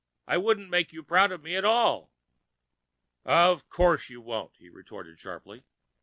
I wouldn't make you proud of me at all." "Of course you won't," he retorted sharply.